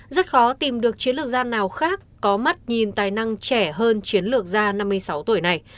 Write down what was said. rất khó tìm được chiến lược gia nào khác có mắt nhìn tài năng trẻ hơn chiến lược gia năm mươi sáu tuổi này